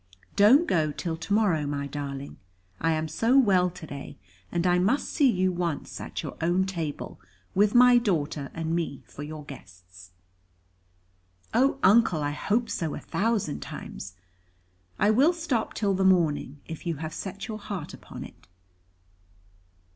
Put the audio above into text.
Don't go till to morrow, my darling; I am so well to day, and I must see you once at your own table, with my daughter and me for your guests." "Oh, Uncle, I hope so a thousand times. I will stop till the morning, if you have set your heart upon it."